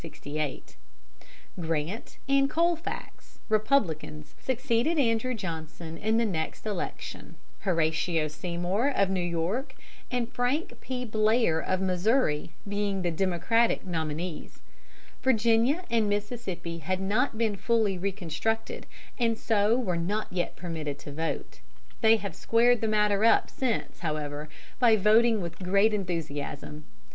Grant and Colfax, Republicans, succeeded Andrew Johnson in the next election, Horatio Seymour, of New York, and Frank P. Blair, of Missouri, being the Democratic nominees. Virginia and Mississippi had not been fully reconstructed, and so were not yet permitted to vote. They have squared the matter up since, however, by voting with great enthusiasm.